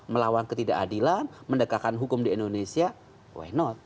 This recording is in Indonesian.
melawan ketidakadilan mendekatkan hukum di indonesia why not